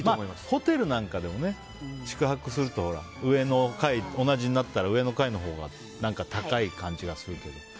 ホテルなんかでもね宿泊すると同じになったら、上の階のほうが高い感じがするけど。